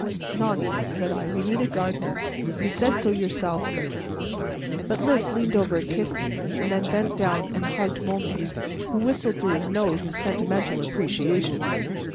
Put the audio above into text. "Nonsense," said I; "we need a gardener; you said so yourself, Lys." But Lys leaned over and kissed me, and then bent down and hugged Môme who whistled through his nose in sentimental appreciation.